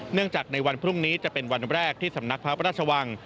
เนื่องจากในวันพรุ่งนี้จะเป็นวันแรกที่สำนักพระราชวัง